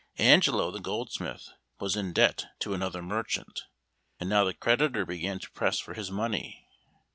Angelo the goldsmith was in debt to another merchant, and now the creditor began to press for his money.